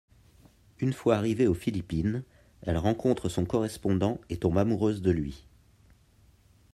Une fois arrivée aux Philippines, elle rencontre son correspondant et tombe amoureuse de lui.